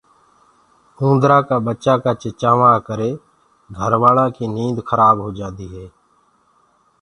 اُوندرآ ڪآ ٻڇآنٚ ڪآ چِڇآوآ ڪي ڪرآ گھروآلآ ڪي نيند کرآ هوجآندي هي۔